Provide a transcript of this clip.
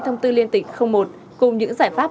thông tư liên tịch một cùng những giải pháp